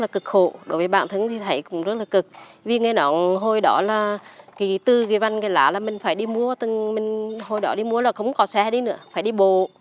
khi từ cái văn cái lá là mình phải đi mua hồi đó đi mua là không có xe đi nữa phải đi bộ